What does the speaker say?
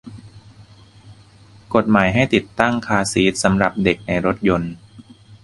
กฎหมายให้ติดตั้งคาร์ซีทสำหรับเด็กในรถยนต์